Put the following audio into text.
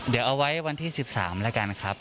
เดี๋ยวเอาไว้วันที่๑๓แล้วกันครับ